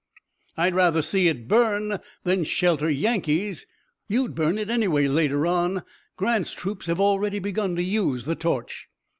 "I'd rather see it burn than shelter Yankees. You'd burn it anyway later on. Grant's troops have already begun to use the torch."